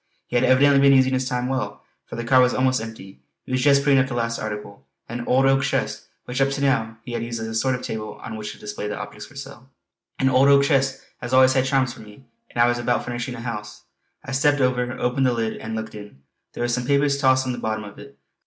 He had evidently been using his time well, for the cart was almost empty. He was just putting up the last article, an old oak chest which up to now he had used as a sort of table on which to display the object for sale. An old oak chest has always charms for me, and I was about furnishing a house. I stepped over, opened the lid and looked in; there were some papers tossed on the bottom of it.